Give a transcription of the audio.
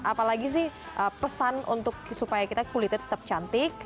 apalagi sih pesan untuk supaya kita kulitnya tetap cantik